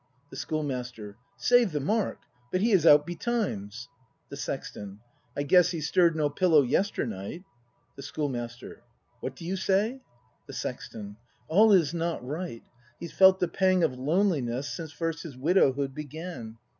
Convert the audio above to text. The Schoolmaster, Save the mark But he is out betimes! The Sexton. I guess He stirr'd no pillow yesternight. The Schoolmaster. What do you say ? The Sexton. All is not right. He's felt the pang of loneliness Since first his widowhood began.